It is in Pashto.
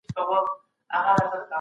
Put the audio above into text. کافي د پوستکي د تومورونو مخه نیسي.